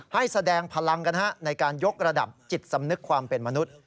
แสดงพลังกันในการยกระดับจิตสำนึกความเป็นมนุษย์